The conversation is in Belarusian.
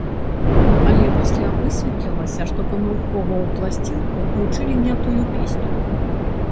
Але пасля высветлілася, што памылкова ў пласцінку ўключылі не тую песню.